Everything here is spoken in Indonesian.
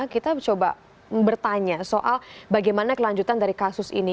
kita coba bertanya soal bagaimana kelanjutan dari kasus ini